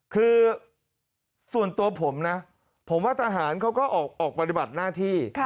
คือส่วนตัวผมนะผมว่าทหารเขาก็ออกปฏิบัติหน้าที่